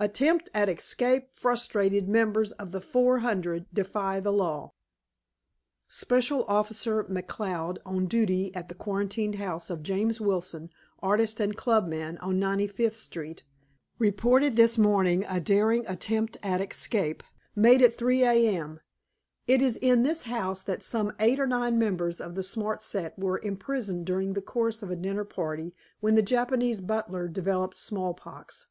ATTEMPT AT ESCAPE FRUSTRATED MEMBERS OF THE FOUR HUNDRED DEFY THE LAW "Special Officer McCloud, on duty at the quarantined house of James Wilson, artist and clubman, on Ninety fifth Street, reported this morning a daring attempt at escape, made at 3 A.M. It is in this house that some eight or nine members of the smart set were imprisoned during the course of a dinner party, when the Japanese butler developed smallpox.